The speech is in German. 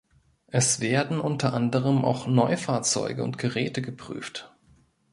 Es werden unter anderem auch Neufahrzeuge und Geräte geprüft.